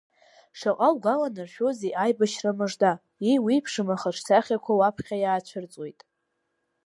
Шаҟа угәаланаршәозеи аибашьра мыжда, еиуеиԥшым ахаҿсахьақәа уаԥхьа иаацәырҵуеит.